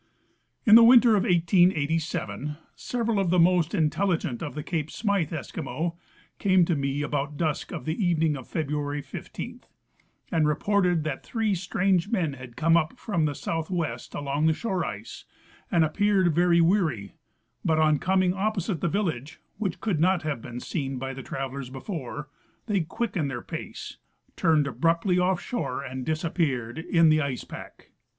In the winter of 1887 several of the most intelligent of the cape Smyth Eskimo came to me about dusk of the evening of February 15 and reported that three strange men had come up from the southwest along the shore ice, and appeared very weary, but on coming opposite the village (which could not have been seen by the travelers before) they quickened their pace, turned abruptly off shore, and disapi^eared in the ice pack.